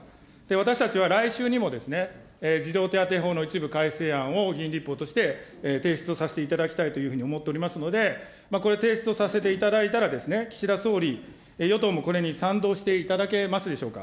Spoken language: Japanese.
私たちは来週にも児童手当法の一部改正案を、議員立法として提出をさせていただきたいというふうに思っておりますので、これ、提出をさせていただいたら、岸田総理、与党もこれに賛同していただけますでしょうか。